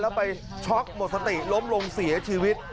แล้วไปช็อกหมดสติล้มลงเสียชีวิต